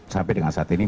sampai dengan sahat ini